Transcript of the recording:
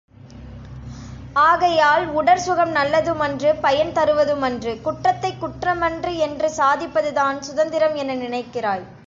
ஆகையால் உடற் சுகம் நல்லதுமன்று, பயன் தருவதுமன்று. குற்றத்தைக் குற்றமன்று என்று சாதிப்பதுதான் சுதந்திரம் என நினைக்கிறாய்.